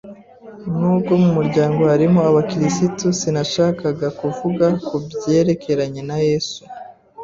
nubwo mu muryango harimo abakirisitu sinashakaga kuvuga ku byerekerenye na Yesu